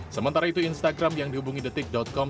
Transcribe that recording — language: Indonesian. sementara itu instagram yang dihubungi detik com